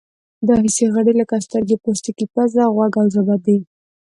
دا حسي غړي لکه سترګې، پوستکی، پزه، غوږ او ژبه دي.